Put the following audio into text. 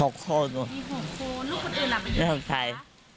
๖คนนั่งไทย